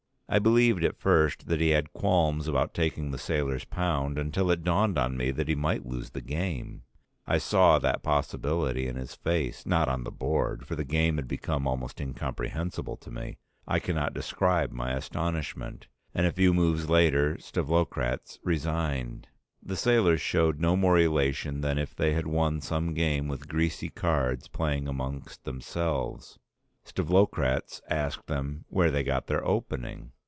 I believed at first that he had qualms about taking the sailors' pound, until it dawned on me that he might lose the game; I saw that possibility in his face, not on the board, for the game had become almost incomprehensible to me. I cannot describe my astonishment. And a few moves later Stavlokratz resigned. The sailors showed no more elation than if they had won some game with greasy cards, playing amongst themselves. Stavlokratz asked them where they got their opening.